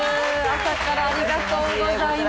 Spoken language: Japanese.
ありがとうございます。